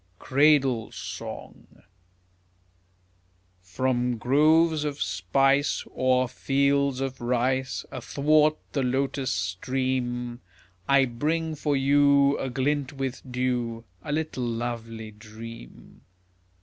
CRADLE SONG From groves of spice, O'er fields of rice, Athwart the lotus stream, I bring for you, Aglint with dew A little lovely dream.